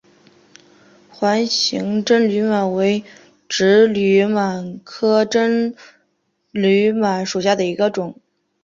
环形真绥螨为植绥螨科真绥螨属下的一个种。